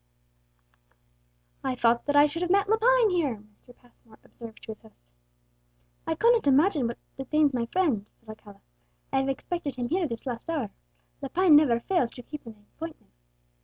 "I thought that I should have met Lepine here," Mr. Passmore observed to his host. "I cannot imagine what detains my friend," said Alcala; "I have expected him here this last hour. Lepine never fails to keep an appointment."